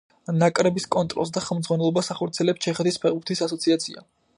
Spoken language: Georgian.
ნაკრების კონტროლს და ხელმძღვანელობას ახორციელებს ჩეხეთის ფეხბურთის ასოციაცია.